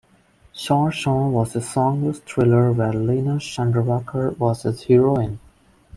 'Chor Chor' was a song-less thriller where Leena Chandavarkar was his heroine.